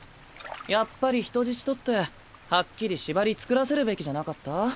やっぱり人質取ってはっきり縛り作らせるべきじゃなかった？